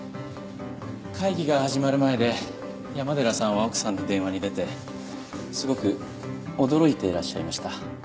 会議が始まる前で山寺さんは奥さんの電話に出てすごく驚いていらっしゃいました。